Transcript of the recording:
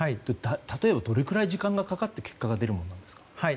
例えばどれくらい時間がかかって結果が出るものなんですか。